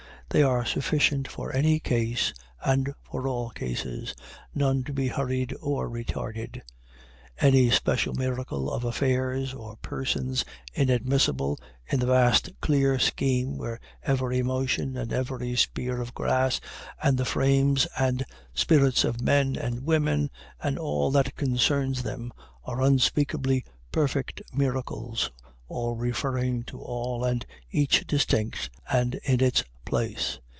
They are sufficient for any case and for all cases none to be hurried or retarded any special miracle of affairs or persons inadmissible in the vast clear scheme where every motion and every spear of grass, and the frames and spirits of men and women and all that concerns them, are unspeakably perfect miracles, all referring to all, and each distinct and in its place.